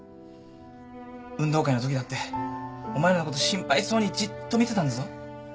運動会のときだってお前らのこと心配そうにじっと見てたんだぞ。